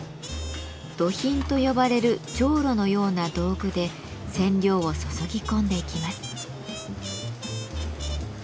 「どひん」と呼ばれるじょうろのような道具で染料を注ぎ込んでいきます。